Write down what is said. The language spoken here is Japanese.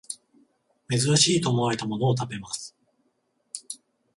珍しいと思われたものを食べます